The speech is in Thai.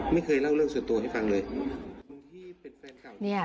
ไม่เคยเล่าเรื่องสุดตัวให้ฟังเลย